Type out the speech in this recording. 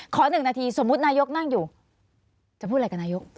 ๑นาทีสมมุตินายกนั่งอยู่จะพูดอะไรกับนายก